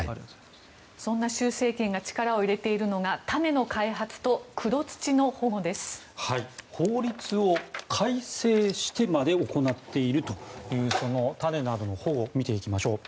そんな習政権が力を入れているのが法律を改正してまで行っているという種などの保護を見ていきましょう。